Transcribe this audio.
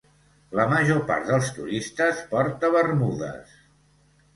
La major part dels turistes porta bermudes.